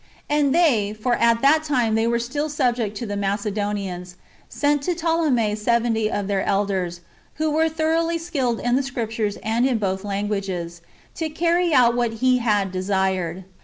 And they — for at that time they were still subject to the Macedonians — sent to Ptolemy seventy of their elders, who were thoroughly skilled in the Scriptures and in both the languages, to carry out what he had desired."